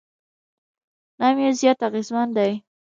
نام یې زیات اغېزمن دی.